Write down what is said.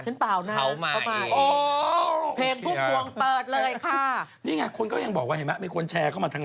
เราฆ่ากันตายทุกวันจริง